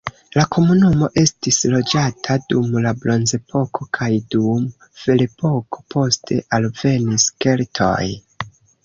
La komunumo estis loĝata dum la bronzepoko kaj dum ferepoko, poste alvenis keltoj.